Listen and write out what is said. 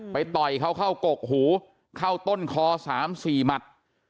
ต่อยเขาเข้ากกหูเข้าต้นคอ๓๔หมัด